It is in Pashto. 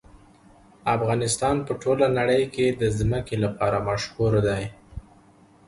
افغانستان په ټوله نړۍ کې د ځمکه لپاره مشهور دی.